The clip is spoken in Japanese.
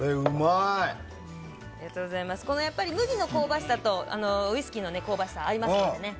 麦の香ばしさとウイスキーの香ばしさが合いますのでね。